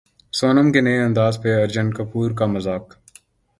سونم کے نئے انداز پر ارجن کپور کا مذاق